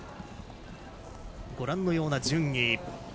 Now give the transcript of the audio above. ご覧のような順位。